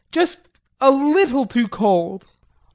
Just a little too cold.